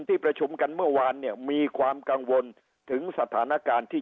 ที่ประชุมกันเมื่อวานเนี่ยมีความกังวลถึงสถานการณ์ที่